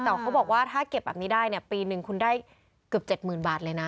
แต่เขาบอกว่าถ้าเก็บแบบนี้ได้เนี่ยปีหนึ่งคุณได้เกือบ๗๐๐๐บาทเลยนะ